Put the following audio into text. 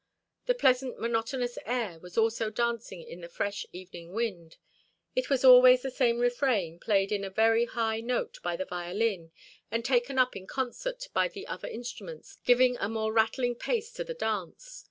The pleasant monotonous air was also dancing in the fresh evening wind; it was always the same refrain played in a very high note by the violin, and taken up in concert by the other instruments, giving a more rattling pace to the dance.